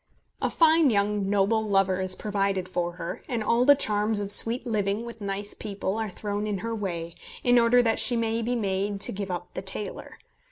A fine young noble lover is provided for her, and all the charms of sweet living with nice people are thrown in her way, in order that she may be made to give up the tailor.